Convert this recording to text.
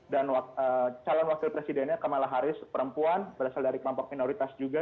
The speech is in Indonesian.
calon wakil presidennya kamala harris perempuan berasal dari kelompok minoritas juga